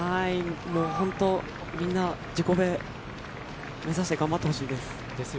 もうみんな自己ベ目指して頑張ってほしいです。